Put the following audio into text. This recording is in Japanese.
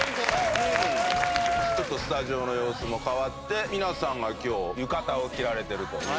ちょっとスタジオの様子も変わって皆さんが今日浴衣を着られてるという事でね。